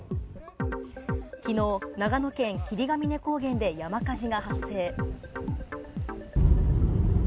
昨日、長野県霧ヶ峰高原で山火事が発生。